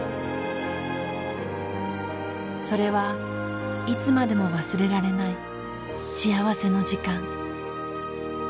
それはいつまでも忘れられない幸せの時間。